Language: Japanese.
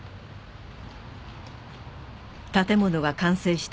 建物が完成した